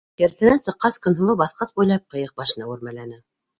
Кәртәнән сыҡҡас, Көнһылыу баҫҡыс буйлап ҡыйыҡ башына үрмәләне.